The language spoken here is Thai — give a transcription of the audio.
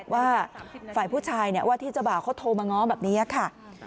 ว่าฝ่ายผู้ชายว่าที่เจ้าบ่าวเขาโทรมาง้อแบบนี้ค่ะ